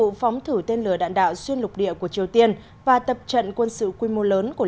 diễn biến tên lửa đạn đạo xuyên lục địa của triều tiên và tập trận quân sự quy mô lớn của